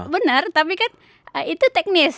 benar tapi kan itu teknis